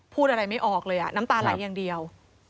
พูดอะไรไม่ออกเลยน้ำตาไหลอย่างเดียว